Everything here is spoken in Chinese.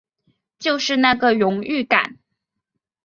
就是那个荣誉感